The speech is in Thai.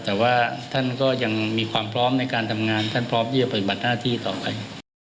แต่ว่าท่านก็ยังมีความพร้อมในการทำงานท่านพร้อมที่จะปฏิบัติหน้าที่ต่อไป